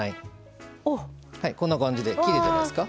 こんな感じできれいじゃないですか。